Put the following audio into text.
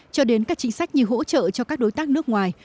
cho đến các chính sách như hỗ trợ cho các đối tác nước ngoài